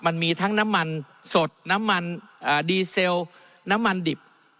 มันมีทั้งน้ำมันสดน้ำมันดีเซลน้ำมันดิบ